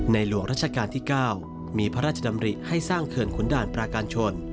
หลวงราชการที่๙มีพระราชดำริให้สร้างเขื่อนขุนด่านปราการชน